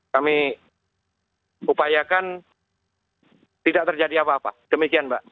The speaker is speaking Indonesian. kami upayakan tidak terjadi apa apa demikian mbak